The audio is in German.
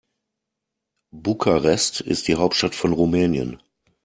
Bukarest ist die Hauptstadt von Rumänien.